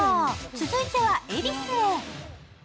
続いては恵比寿へ。